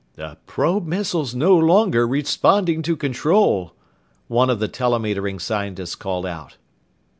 "The probe missile's no longer responding to control!" one of the telemetering scientists called out.